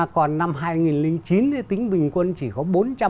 còn năm hai nghìn chín thì tính bình quân chỉ có